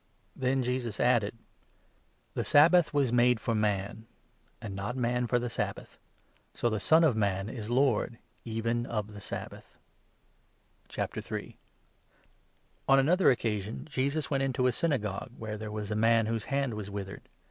" Then Jesus added : 27 "The Sabbath was made for man, and not man for the Sabbath ; so the Son of Man is lord even of the Sabbath." 28 On another occasion Jesus went into a Syna i a. Ma.™ with gog116. where there was a man whose hand was a withered withered.